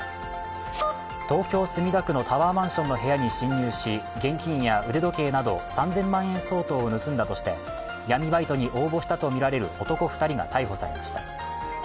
東京・墨田区のタワーマンションの部屋に侵入し、現金や腕時計など３０００万円相当を盗んだとして闇バイトに応募したとみられる男２人が逮捕されました。